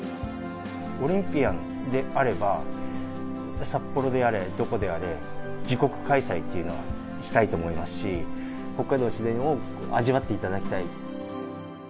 オリンピアンであれば、札幌であれどこであれ、自国開催っていうのはしたいと思いますし、北海道の自然を味わっていただきたい。